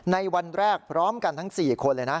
ในวันแรกพร้อมกันทั้ง๔คนเลยนะ